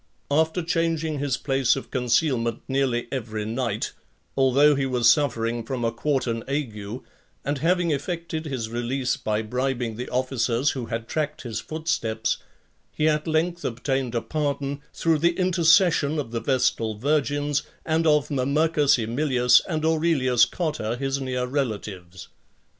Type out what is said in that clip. After changing his place of concealment nearly every night , although he was suffering from a quartan ague, and having effected his release by bribing the officers who had tracked his footsteps, he at length obtained a pardon through the intercession of the vestal virgins, and of Mamercus Aemilius and Aurelius Cotta, his near relatives.